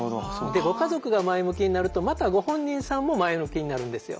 ご家族が前向きになるとまたご本人さんも前向きになるんですよ。